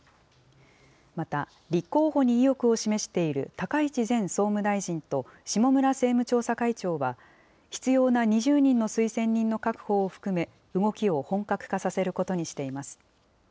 また、立候補に意欲を示している高市前総務大臣と、下村政務調査会長は、必要な２０人の推薦人の確保を含め、動きを本格化させることにしています。